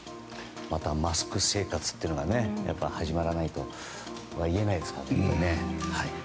またマスク生活というのが始まらないとはいえないですからね。